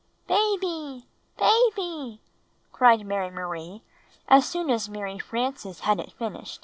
"Baby! Bab}^" cried Mary Marie as soon as Mary Frances had it finished.